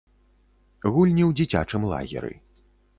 Гульні ў дзіцячым лагеры.